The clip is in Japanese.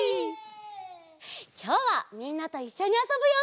きょうはみんなといっしょにあそぶよ！